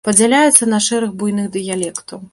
Падзяляецца на шэраг буйных дыялектаў.